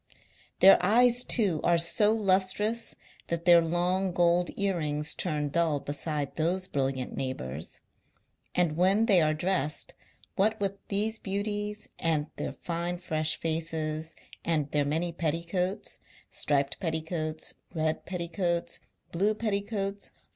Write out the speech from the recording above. Their eyes, too, are so lustrous that their long gold ear rings turn dull beside those brilliant neighbours ; and when they are dressed, what with these beauties, and their fine fresh •'id their many petticoats — striped pet ticoats, red petticoats, blue petticoats, ahva.